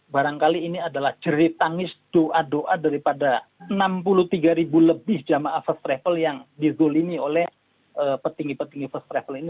barangkali ini adalah jerit tangis doa doa daripada enam puluh tiga ribu lebih jamaah first travel yang digolini oleh petinggi petinggi first travel ini